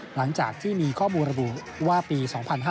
หลังจากที่มีข้อมูลระบุว่าปี๒๕๕๙